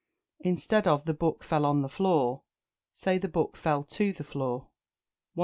Instead of "The book fell on the floor," say "The book fell to the floor." 113.